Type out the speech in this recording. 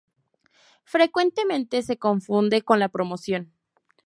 Frecuentemente se confunde con la promoción.